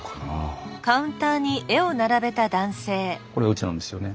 これうちなんですよね。